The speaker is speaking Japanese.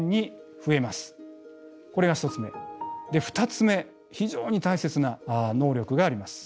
２つ目非常に大切な能力があります。